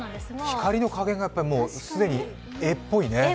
光のかげんが既に絵っぽいね。